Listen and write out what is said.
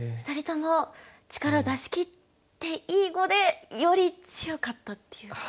２人とも力を出しきっていい碁でより強かったっていう。